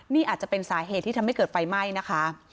นี่อาจจะเป็นสาเหตุที่ทำให้เกิดไฟไหม้นะคะ